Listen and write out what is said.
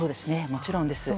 もちろんです。